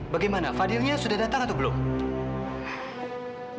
bagaimana fadila sudah datang atau belum